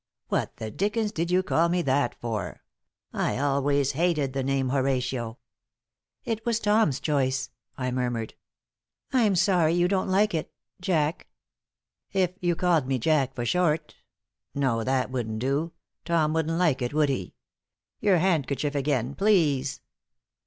What the dickens did you call me that for? I always hated the name Horatio." "It was Tom's choice," I murmured. "I'm sorry you don't like it Jack." "If you called me 'Jack' for short no, that wouldn't do. Tom wouldn't like it, would he? Your handkerchief again, please.